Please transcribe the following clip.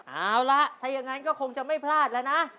เอาละถ้าอย่างนั้นก็คงจะไม่พลาดแล้วนะ